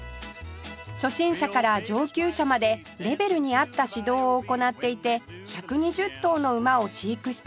初心者から上級者までレベルに合った指導を行っていて１２０頭の馬を飼育しています